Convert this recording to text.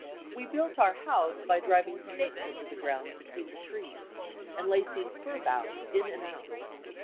We built our house by driving stakes into the ground between the trees, and lacing fir boughs in and out.